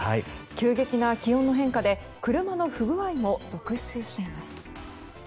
急激な気温の変化で車の不具合も続出しています。